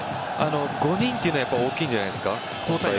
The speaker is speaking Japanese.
５人というのは大きいんじゃないですか。